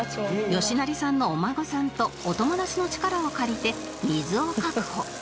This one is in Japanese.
吉成さんのお孫さんとお友達の力を借りて水を確保